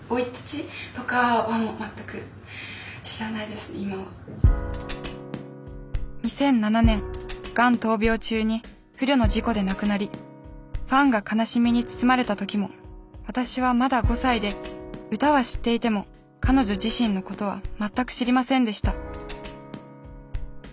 でも２００７年がん闘病中に不慮の事故で亡くなりファンが悲しみに包まれた時も私はまだ５歳で歌は知っていても彼女自身のことは全く知りませんでした